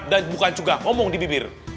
dan bukan juga ngomong di bibir